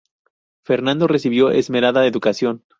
Fernando recibió esmerada educación.